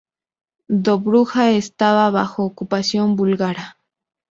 Dobruja estaba bajo ocupación búlgara.